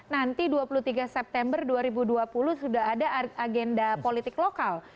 nanti dua puluh tiga september dua ribu dua puluh sudah ada agenda politik lokal